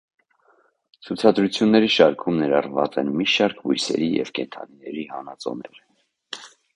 Ցուցադրությունների շարքում ներառված են մի շարք բույսերի և կենդանիների հանածոներ։